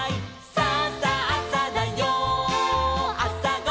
「さあさあさだよあさごはん」